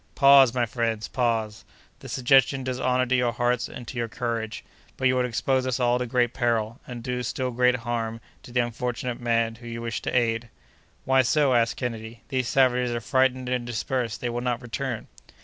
"Pause, my friends—pause! The suggestion does honor to your hearts and to your courage; but you would expose us all to great peril, and do still greater harm to the unfortunate man whom you wish to aid." "Why so?" asked Kennedy. "These savages are frightened and dispersed: they will not return."